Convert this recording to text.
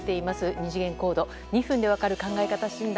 二次元コード２分で分かる考え方診断